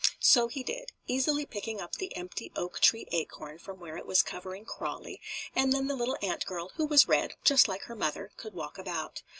So he did, easily picking up the empty oak tree acorn from where it was covering Crawlie, and then the little ant girl, who was red, just like her mother, could walk about.